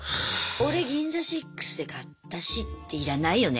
「俺銀座ＳＩＸで買ったし」って要らないよね